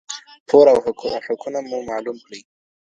پور او حقونه مو معلوم کړئ.